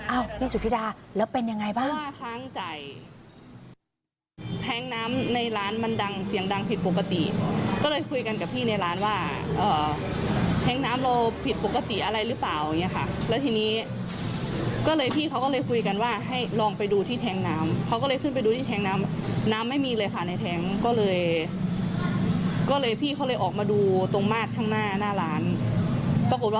อ้าวพี่สุธิดาแล้วเป็นอย่างไรบ้าง